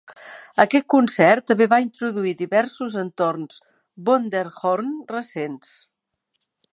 Aquest concert també va introduir diversos entorns "Wunderhorn" recents.